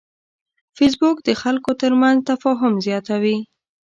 فېسبوک د خلکو ترمنځ تفاهم زیاتوي